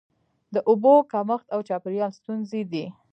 د اوبو کمښت او چاپیریال ستونزې دي.